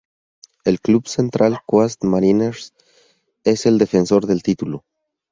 El club Central Coast Mariners es el defensor del título.